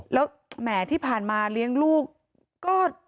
แล้วแหมที่ผ่านมาเลี้ยงลูกก็